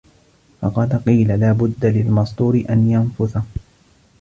فَقَدْ قِيلَ لَا بُدَّ لِلْمَصْدُورِ أَنْ يَنْفُثَ